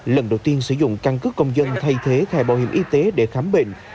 lần đầu tiên sử dụng căn cứ công dân thay thế thẻ bảo hiểm y tế để khám bệnh